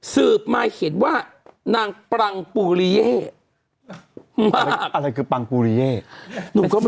สืบมาให้เห็นว่านางปรังปูลิเยอะไรคือปรังลูลูยเนี่ย